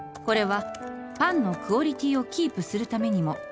「これはパンのクオリティーをキープするためにも」